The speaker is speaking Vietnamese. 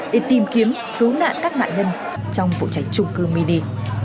các tử thần đi tìm kiếm cứu nạn các nạn nhân trong vụ cháy trung cư mini